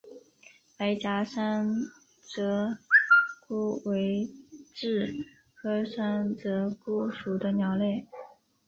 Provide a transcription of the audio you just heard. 白颊山鹧鸪为雉科山鹧鸪属的鸟类。